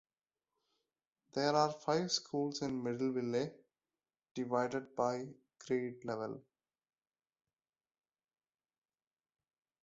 There are five schools in Middleville, divided by grade level.